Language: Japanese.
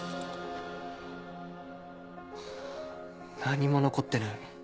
何も残ってない。